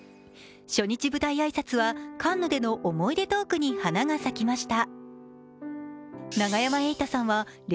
初日舞台挨拶はカンヌでの思い出トークに花が咲きました。